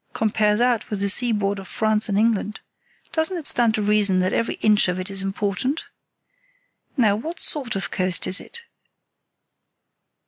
Compare that with the seaboard of France and England. Doesn't it stand to reason that every inch of it is important? Now what sort of coast is it?